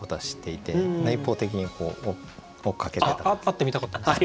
会ってみたかったんですか。